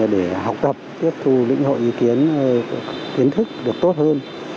để học tập tiếp thu lĩnh hội ý kiến kiến thức được tốt hơn